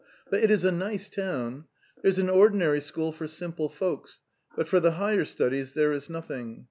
i...) But itis a snice town: ... There's an ordinary school for simple folks, but for the higher studies there is nothing.